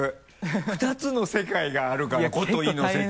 二つの世界があるから「こ」と「い」の世界が。